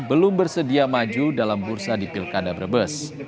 belum bersedia maju dalam bursa di pilkada brebes